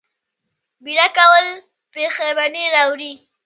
بیړه کول پښیماني راوړي